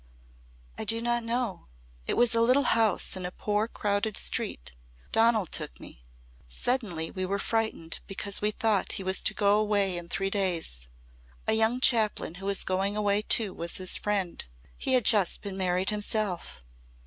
"I do not know. It was a little house in a poor crowded street. Donal took me. Suddenly we were frightened because we thought he was to go away in three days. A young chaplain who was going away too was his friend. He had just been married himself.